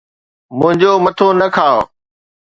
منھنجو مٿو نه کاءُ